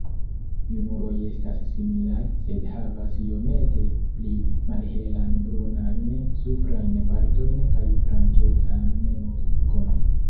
Junuloj estas similaj, sed havas iomete pli malhelan brunajn suprajn partojn kaj blankecan nukon.